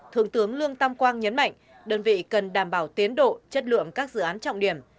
thượng tướng lương tam quang nhấn mạnh đơn vị cần đảm bảo tiến độ chất lượng các dự án trọng điểm